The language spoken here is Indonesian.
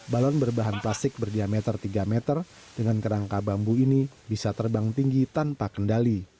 balon berbahan plastik berdiameter tiga meter dengan kerangka bambu ini bisa terbang tinggi tanpa kendali